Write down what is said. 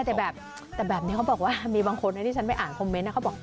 แต่แบบนี้เขาบอกว่ามีบางคนที่ฉันไม่อ่านคอมเม้นต์